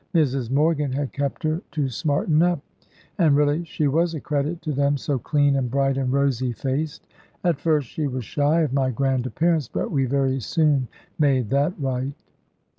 Mrs Morgan had kept her to smarten up, and really she was a credit to them, so clean, and bright, and rosy faced. At first she was shy of my grand appearance; but we very soon made that right.